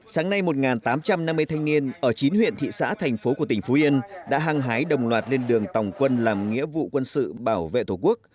sáng nay một tám trăm năm mươi thanh niên ở chín huyện thị xã thành phố của tỉnh phú yên đã hăng hái đồng loạt lên đường tòng quân làm nghĩa vụ quân sự bảo vệ thổ quốc